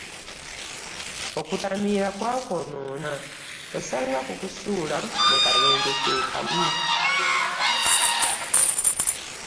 Okutamiira kwakwonoona, osanga kukusuula mu kabenje ke kamu.